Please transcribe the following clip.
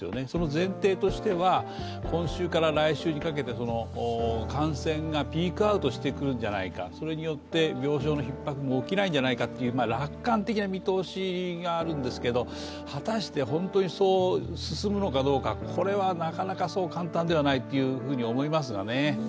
その前提としては、今週から来週にかけて感染がピークアウトしてくるんじゃないかそれによって病床のひっ迫も起きないんじゃないかという楽観的な見通しがあるんですが果たして本当にそう進むのかどうか、これはなかなかそう簡単ではないと思いますがね。